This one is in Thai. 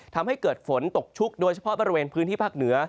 ทำให้เกิดฝนตกชุกโดยเฉพาะบริเวณพื้นที่ภาคเหนือ